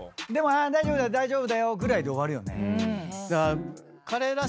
「大丈夫だよ大丈夫だよ」ぐらいで終わるよね。